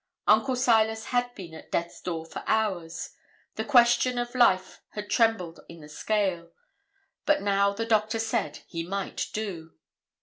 Uncle Silas had been at death's door for hours; the question of life had trembled in the scale; but now the doctor said 'he might do.'